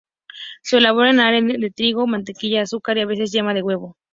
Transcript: Se elabora con harina de trigo, mantequilla, azúcar y a veces yema de huevo.